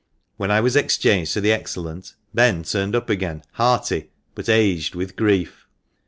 When I was exchanged to the Excellent, Ben turned up again, hearty, but aged with grief.